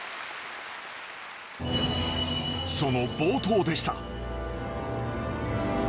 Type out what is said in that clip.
その冒頭でした。